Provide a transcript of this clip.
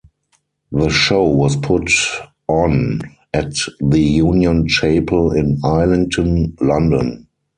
The show was put on at the Union Chapel in Islington, London.